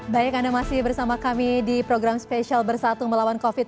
baik anda masih bersama kami di program spesial bersatu melawan covid sembilan belas